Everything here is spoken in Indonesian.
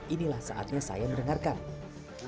inilah saatnya saya mendengarkan